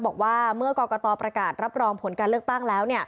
บอกว่าเมื่อกรกตประกาศรับรองผลการเลือกตั้งแล้ว